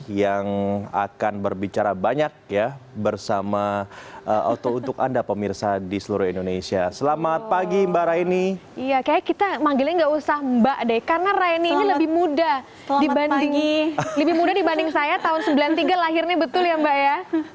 iya kayaknya kita manggilnya nggak usah mbak deh karena raini ini lebih muda dibanding saya tahun seribu sembilan ratus sembilan puluh tiga lahirnya betul ya mbak ya